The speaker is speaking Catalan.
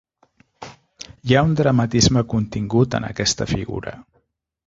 Hi ha un dramatisme contingut en aquesta figura.